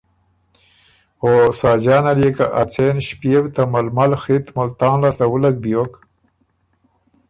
او ساجان ال يې که ا څېن ݭپيېو ته ململ خِط ملتان لاسته وُلک بیوک